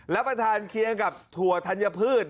แล้วมาทานเคียงกับถั่วทัญพืช